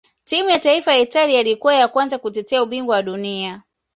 timu ya taifa ya italia ilikuwa ya kwanza kutetea ubingwa wa dunia